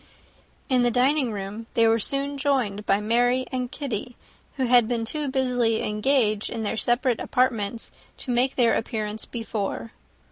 In the dining room they were soon joined by Mary and Kitty, who had been too busily engaged in their separate apartments to make their appearance before.